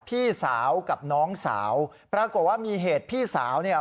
พี่สาวกับน้องสาวปรากฏว่ามีเหตุพี่สาวเนี่ย